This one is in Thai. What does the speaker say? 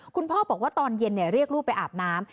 คุณพ่อบอกว่าตอนเย็นเรียกลูกไปอาบน้ำ